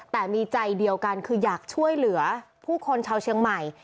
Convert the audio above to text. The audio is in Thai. แต่มีใจเดียวกันคืออยากช่วยเหลือผู้คนชาวเชียงใหม่